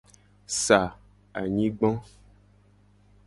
Sa anyigba.